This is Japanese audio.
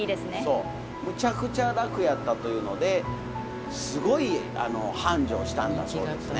そうむちゃくちゃ楽やったというのですごい繁盛したんだそうですね。